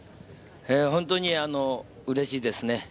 本当に嬉しいですね。